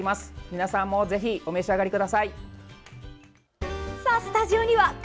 皆さんもぜひお召し上がりください。